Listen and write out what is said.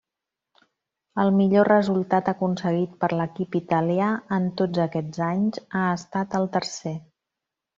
El millor resultat aconseguit per l'equip italià en tots aquests anys ha estat el tercer.